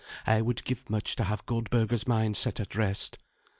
I would give much to have Goldberga's mind set at rest."